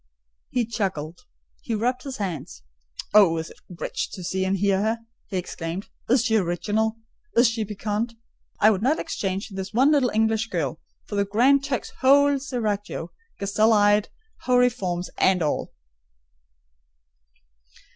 He chuckled; he rubbed his hands. "Oh, it is rich to see and hear her!" he exclaimed. "Is she original? Is she piquant? I would not exchange this one little English girl for the Grand Turk's whole seraglio, gazelle eyes, houri forms, and all!"